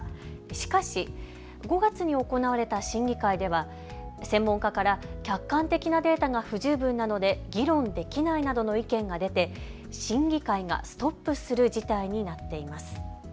しかし５月に行われた審議会では専門家から客観的なデータが不十分なので議論できないなどの意見が出て審議会がストップする事態になっています。